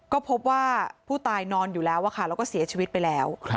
ก็พบว่าผู้ตายนอนอยู่แล้วแล้วก็เสียชีวิตไปแล้ว